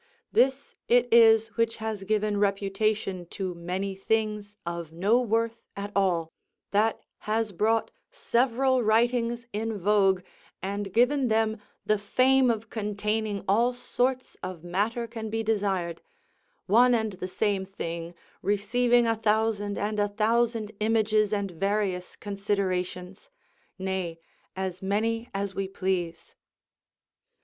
This it is which has given reputation to many things of no worth at all; that has brought several writings in vogue, and given them the fame of containing all sorts of matter can be desired; one and the same thing receiving a thousand and a thousand images and various considerations; nay, as many as we please.